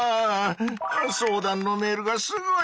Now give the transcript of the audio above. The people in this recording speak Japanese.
相談のメールがすごい！